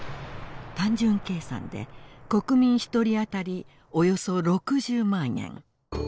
単純計算で国民１人当たりおよそ６０万円。